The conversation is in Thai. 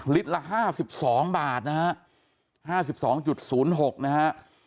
ลิตรละห้าสิบสองบาทนะฮะห้าสิบสองจุดศูนย์หกนะฮะ